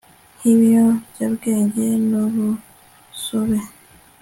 nk ibiyobyabwenge n urusobe